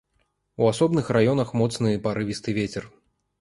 У асобных раёнах моцны парывісты вецер.